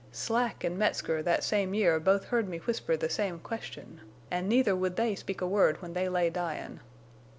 Slack an' Metzger that same year both heard me whisper the same question, an' neither would they speak a word when they lay dyin'.